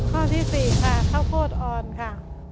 ตัวเลือกที่สี่ค่ะเข้าโพดอ่อนค่ะ